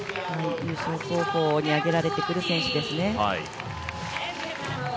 優勝候補に挙げられてくる選手ですね。